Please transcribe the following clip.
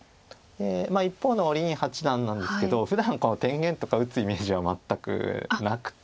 一方の林八段なんですけどふだんこの天元とか打つイメージは全くなくて。